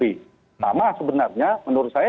pertama sebenarnya menurut saya